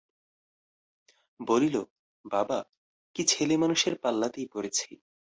বলিল, বাবা, কী ছেলেমানুষের পাল্লাতেই পড়েছি!